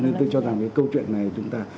nên tôi cho rằng cái câu chuyện này chúng ta